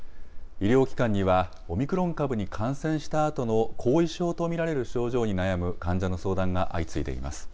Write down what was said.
医療機関には、オミクロン株に感染したあとの後遺症と見られる症状に悩む患者の相談が相次いでいます。